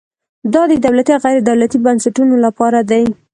دا د دولتي او غیر دولتي بنسټونو لپاره دی.